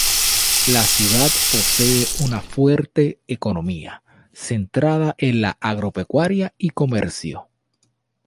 La ciudad posee una fuerte economía, centrada en la Agropecuaria y Comercio.